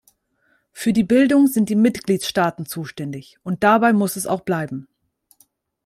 Für die Bildung sind die Mitgliedstaaten zuständig, und dabei muss es auch bleiben.